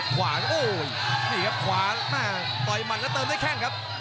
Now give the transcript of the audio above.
ขวางโอ้ยนี่ครับขวาต่อยหมัดแล้วเติมด้วยแข้งครับ